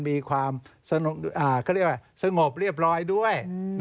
มีความสงบเรียบร้อยด้วย